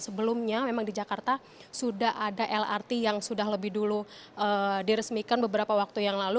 sebelumnya memang di jakarta sudah ada lrt yang sudah lebih dulu diresmikan beberapa waktu yang lalu